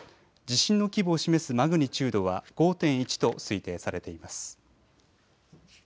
地震の規模を示すマグニチュードは５．１と推定されています。